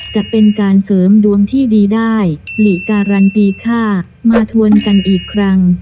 จะเป็นการเสริมดวงที่ดีได้หลีการันตีค่ามาทวนกันอีกครั้ง